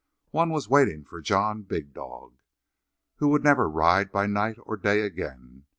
One was waiting for John Big Dog, who would never ride by night or day again.